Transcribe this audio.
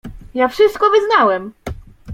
"Ja wszystko wyznałem."